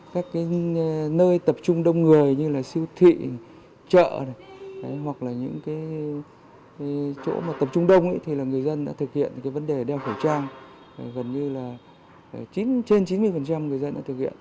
gần như là trên chín mươi người dân đã thực hiện